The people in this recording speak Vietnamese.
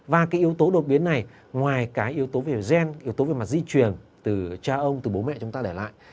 và cái yếu tố đột biến này ngoài cái yếu tố về gen yếu tố về mặt di truyền từ cha ông từ bố mẹ chúng ta để lại